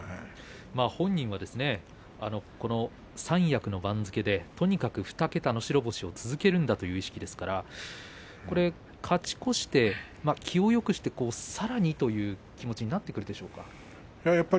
本人は三役の番付でとにかく２桁の白星を続けるんだという意識ですから勝ち越して気をよくしてさらにという気持ちになってくるでしょうか？